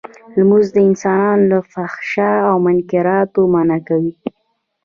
لمونځ انسان له فحشا او منکراتو منعه کوی.